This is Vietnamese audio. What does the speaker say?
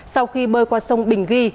sau khi bơi qua sông bình ghi